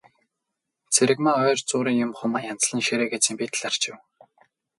Цэрэгмаа ойр зуурын юм, хумаа янзлан ширээгээ цэмбийтэл арчив.